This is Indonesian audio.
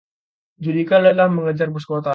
judika lelah mengejar bus kota